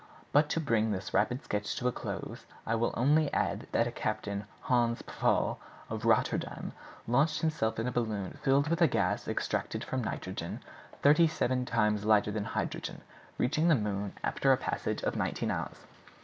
But, to bring this rapid sketch to a close, I will only add that a certain Hans Pfaal, of Rotterdam, launching himself in a balloon filled with a gas extracted from nitrogen, thirty seven times lighter than hydrogen, reached the moon after a passage of nineteen hours.